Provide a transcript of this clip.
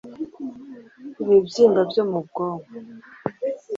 Ibibyimba byo mu bwonko